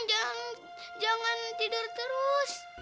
jangan tidur terus